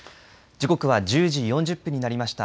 時刻は１０時４０分になりました。